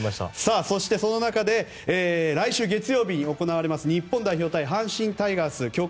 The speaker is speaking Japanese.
そして、その中で来週月曜日に行われます日本代表対阪神タイガースの強化